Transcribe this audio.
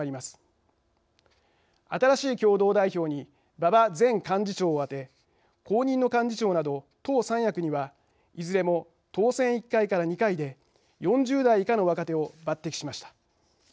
新しい共同代表に馬場前幹事長を充て後任の幹事長など党三役にはいずれも当選１回から２回で４０代以下の若手を抜てきしました。